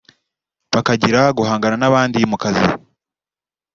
Bakagira guhangana n’abandi mu kazi